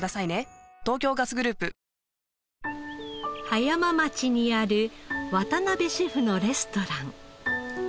葉山町にある渡辺シェフのレストラン。